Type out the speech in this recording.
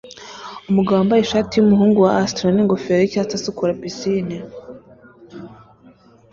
Umugabo wambaye ishati yumuhungu wa astro ningofero yicyatsi asukura pisine